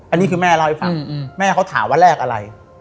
อันนี้คือแม่เล่าให้ฟังแม่เขาถามว่าแลกอะไร